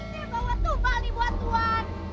kita bawa tumba nih buat tuan